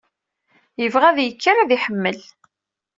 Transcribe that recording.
Yebɣa ad-yekker ad iḥemmel.